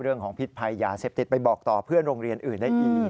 พิษภัยยาเสพติดไปบอกต่อเพื่อนโรงเรียนอื่นได้อีก